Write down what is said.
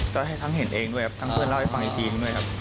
ก็ให้ทั้งเห็นเองด้วยครับทั้งเพื่อนเล่าให้ฟังอีกทีหนึ่งด้วยครับ